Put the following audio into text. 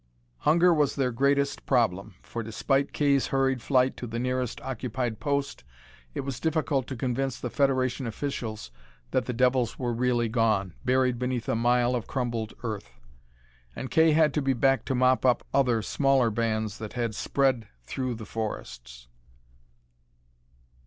Hunger was their greatest problem, for, despite Kay's hurried flight to the nearest occupied post, it was difficult to convince the Federation officials that the devils were really gone, buried beneath a mile of crumbled earth. And Kay had to be back to mop up other, smaller bands that had spread through the forests.